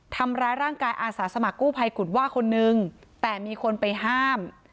ทำร้ายร่างกายอาสาสมัครกู้ภัยกุฎว่าคนนึงแต่มีคนไปห้าม